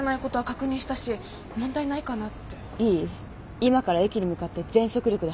今から駅に向かって全速力で走って。